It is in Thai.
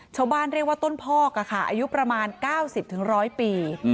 ชาวบ้านเรียกว่าต้นพอกอายุประมาณ๙๐๑๐๐ปี